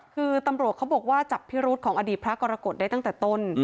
คือตำรวจเขาบอกว่าจับพิรุษของอดีตพระกรกฎได้ตั้งแต่ต้น